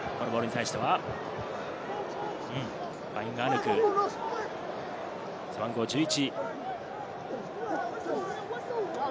ファインガアヌク、背番号１１。